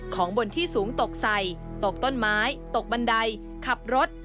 ของบนที่สูงตกใส่ตกต้นไม้ตกบันไดขับรถ